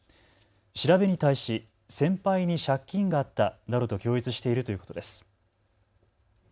調べに対し先輩に借金があったなどと供述しているということです。